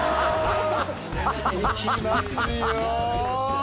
いきますよ！